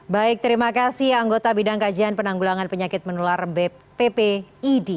baik terima kasih anggota bidang kajian penanggulangan penyakit menular ppid